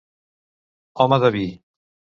Home de vi.